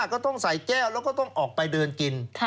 ก็ต้องใส่แก้วแล้วก็ต้องออกไปเดินกิน